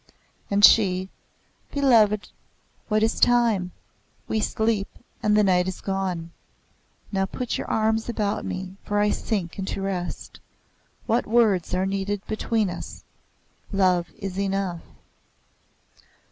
And she: "Beloved, what is time? We sleep and the night is gone. Now put your arms about me, for I sink into rest. What words are needed between us? Love is enough."